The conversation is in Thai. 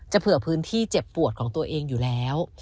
เผื่อพื้นที่เจ็บปวดของตัวเองอยู่แล้ว